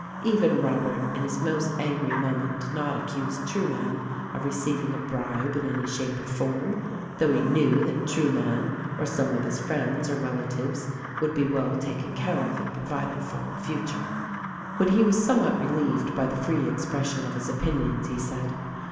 Even Robert in his most angry moment did not accuse Trueman of receiving a bribe in any shape or form — though he knew that Trueman or some of his friends or relatives would be well taken care of and provided for in the future. When he was somewhat relieved by the free expression of his opinions he said.